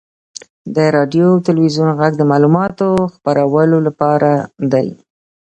• د راډیو او تلویزیون ږغ د معلوماتو خپرولو لپاره دی.